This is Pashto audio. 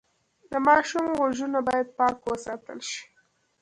د ماشوم غوږونه باید پاک وساتل شي۔